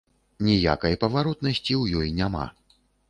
Ніякай паваротнасці ў ёй няма.